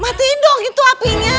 matiin dong itu apinya